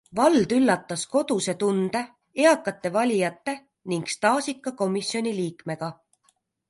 Vald üllatas koduse tunde, eakate valijate ning staažika komisjoniliikmega.